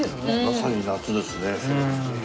まさに夏ですね。